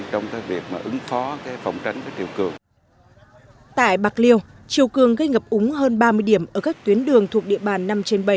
tại bạc liêu chiều cường gây ngập úng hơn ba mươi điểm ở các tuyến đường thuộc địa bàn năm trên bảy